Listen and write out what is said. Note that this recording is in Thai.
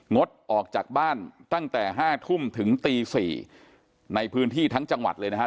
งดออกจากบ้านตั้งแต่๕ทุ่มถึงตี๔ในพื้นที่ทั้งจังหวัดเลยนะครับ